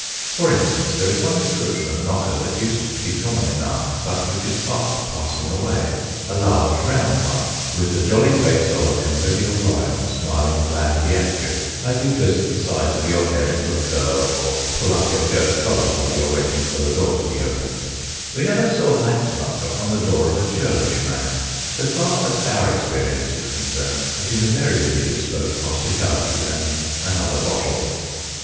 For instance, there is one description of knocker that used to bo common enough, but which is fast passing away a large round one, with the jolly face of a convivial lion smiling blandly at you, as you twist the sides of your hair into a curl, or pull up your shirt collar while you are waiting for the door to be opened ; we never saw that knocker on the door of a churlish man so far as our experience is concerned, it invariably bespoke hospitality and another bottle.